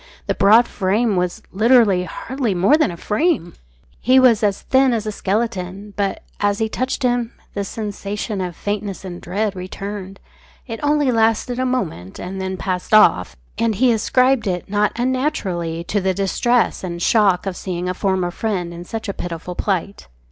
The broad frame was literally hardly more than a frame. He was as thin as a skeleton. But, as he touched him, the sensation of faintness and dread returned. It only lasted a moment, and then passed off, and he ascribed it not unnaturally to the distress and shock of seeing a former friend in such a pitiful plight.